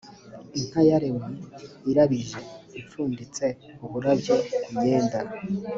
inka ya lewi irabije ipfunditse uburabyo kumyenda